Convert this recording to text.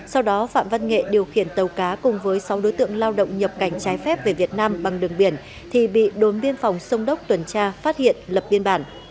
sau đó phạm văn nghệ điều khiển tàu cá cùng với sáu đối tượng lao động nhập cảnh trái phép về việt nam bằng đường biển thì bị đồn biên phòng sông đốc tuần tra phát hiện lập biên bản